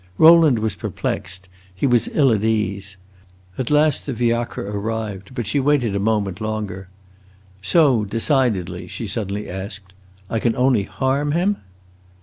Rowland was perplexed; he was ill at ease. At last the fiacre arrived, but she waited a moment longer. "So, decidedly," she suddenly asked, "I can only harm him?"